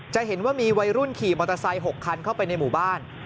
จะเห็นว่ามีวัยรุ่นขี่มอเตอร์ไซค์๖คันเข้าไปในหมู่บ้าน